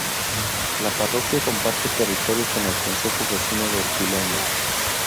La parroquia comparte territorio con el concejo vecino de Piloña.